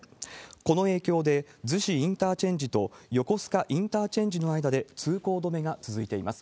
この影響で、逗子インターチェンジと横須賀インターチェンジの間で通行止めが続いています。